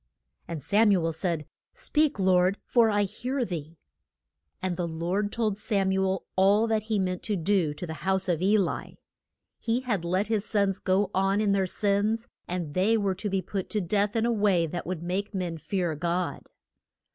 And Sam u el said, Speak, Lord, for I hear thee. And the Lord told Sam u el all that he meant to do to the house of E li. He had let his sons go on in their sins, and they were to be put to death in a way that would make men fear God.